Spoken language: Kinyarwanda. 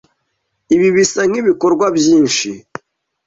Ibi bisa nkibikorwa byinshi.